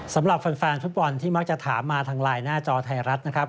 สำหรับแฟนฟุตบอลที่มักจะถามมาทางไลน์หน้าจอไทยรัฐนะครับ